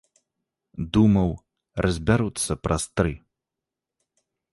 Думаў, разбяруцца праз тры.